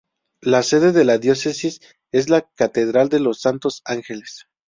La sede de la Diócesis es la Catedral de los Santos Ángeles.